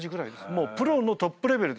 もうプロのトップレベルですね。